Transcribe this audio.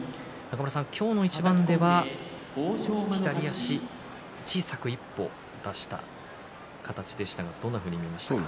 今日の一番では、左足小さく一歩出した形でしたがどんなふうに見ましたか。